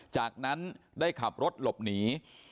จากนั้นได้ขับรถหลบหนี